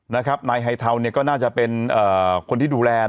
นะครับนายฮัยเทาเนี่ยก็น่าจะเป็นอ่าคนที่ดูแล